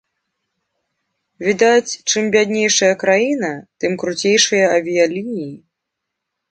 Відаць, чым бяднейшая краіна тым круцейшыя авіялініі.